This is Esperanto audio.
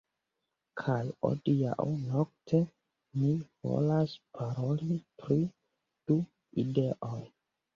Kaj hodiaŭ nokte mi volas paroli pri du ideoj